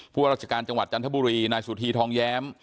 ราชการจังหวัดจันทบุรีนายสุธีทองแย้ม